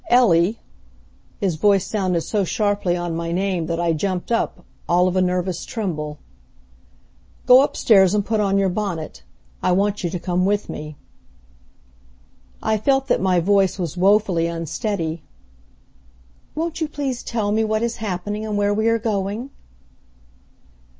Ellie " His voice sounded so sharply on my name that I jumped up, all of a nervous tremble. "Go up stairs and put on your bonnet, I want you to come with me." I felt that my voice was woefully unsteady. "Won't you please tell me what is happening and where we are going?"